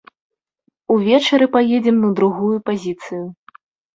Увечары паедзем на другую пазіцыю.